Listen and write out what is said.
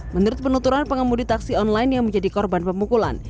menurut penuturan pengemudi taksi online yang menjadi korban pemukulan